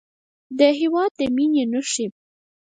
د هېواد د مینې نښې